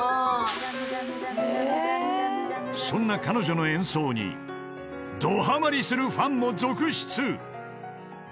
［そんな彼女の演奏にどはまりするファンも続出］